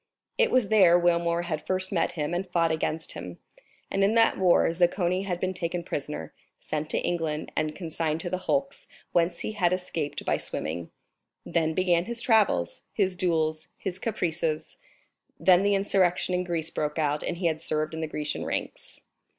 It was there Wilmore had first met him and fought against him; and in that war Zaccone had been taken prisoner, sent to England, and consigned to the hulks, whence he had escaped by swimming. Then began his travels, his duels, his caprices; then the insurrection in Greece broke out, and he had served in the Grecian ranks.